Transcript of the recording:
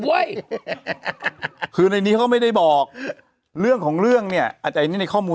คือในนี้เขาก็ไม่ได้บอกเรื่องของเรื่องเนี่ยอาจจะอันนี้ในข้อมูล